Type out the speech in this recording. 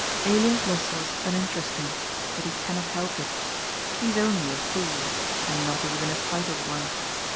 Elias Lossell is uninteresting, but he cannot help it. He is only a fool, and not even a titled one.